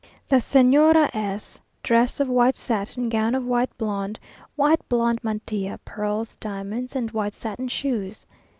The Señora S . Dress of white satin, gown of white blonde, white blonde mantilla, pearls, diamonds, and white satin shoes.